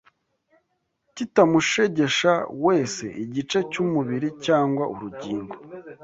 kitamushegesha wese igice cy'umubiri cyangwa urugingo